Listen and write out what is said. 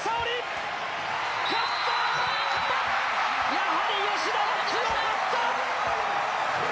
やはり吉田は強かった！